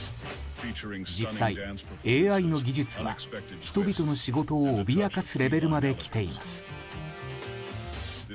実際、ＡＩの技術は人々の仕事を脅かすレベルまで来ています。